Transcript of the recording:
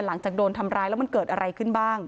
หลังจากโดนทำร้ายแล้วมันเกิดอะไรขึ้นบ้าง